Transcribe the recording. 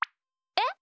えっ？